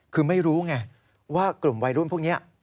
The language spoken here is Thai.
คือไม่รู้ไงว่ากลุ่มวัยรุ่นพวกนี้